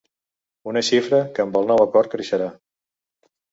Un xifra que amb el nou acord creixerà.